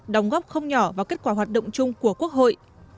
đóng góp không nhỏ vào kết quả hoạt động chung của quốc hội